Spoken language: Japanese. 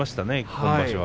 今場所は。